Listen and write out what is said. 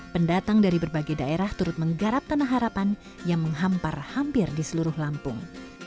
pendatang dari berbagai daerah turut menggarap tanah harapan yang menghampar hampir di seluruh lampung